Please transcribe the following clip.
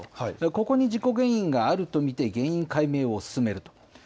ここに事故原因があると見て原因解明を進めると。